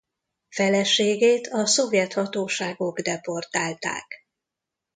Feleségét a szovjet hatóságok deportálták.